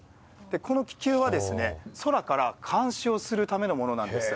この気球は、空から監視をするためのものなんです。